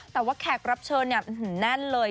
แต่ว่าแขกรับเชิญแน่นเลย